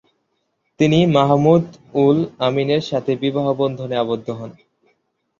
তিনি মাহমুদ-উল-আমীনের সাথে বিবাহ বন্ধনে আবদ্ধ হন।